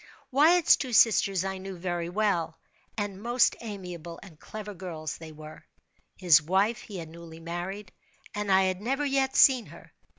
Wyatt's two sisters I knew very well, and most amiable and clever girls they were. His wife he had newly married, and I had never yet seen her.